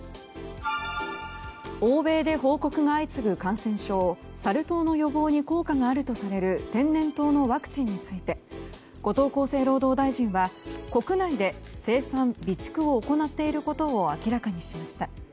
欧米で報告が相次ぐ感染症サル痘の予防に効果があるとされる天然痘のワクチンについて後藤厚生労働大臣は国内で生産・備蓄を行っていることを明らかにしました。